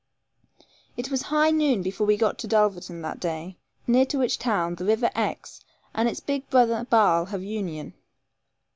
It was high noon before we were got to Dulverton that day, near to which town the river Exe and its big brother Barle have union.